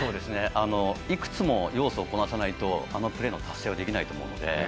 いくつも要素をこなさないとあのプレーの達成はできないと思うので。